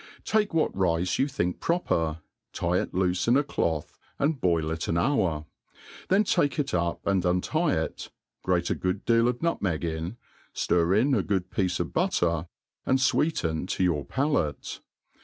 TAKE what rice you think proper, tie it loofe in a cJotb, and boil it an hour : then take it up, and untie it, grate a good deal of nutmeg in, ftir in a good piece of butter, and fweeten to your palate.